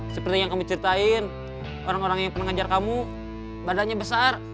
seperti yang kami ceritain orang orang yang pernah ngajar kamu badannya besar